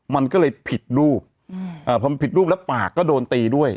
มันก็เลยผิดรูปพอมันผิดรูปแล้วปากก็โดนตีด้วย